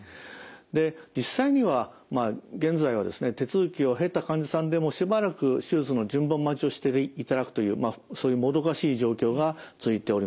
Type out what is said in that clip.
で実際には現在はですね手続きを経た患者さんでもしばらく手術の順番待ちをしていただくというそういうもどかしい状況が続いております。